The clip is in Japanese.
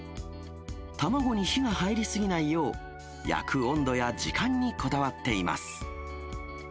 卵に火が入り過ぎないよう、焼く温度や時間にこだわっています。